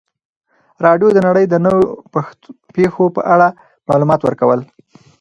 راډیو د نړۍ د نویو پیښو په اړه معلومات ورکول.